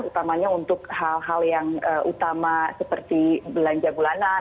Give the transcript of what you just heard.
utamanya untuk hal hal yang utama seperti belanja bulanan